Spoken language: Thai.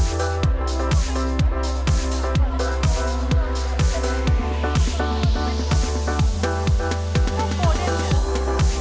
จำเป็นได้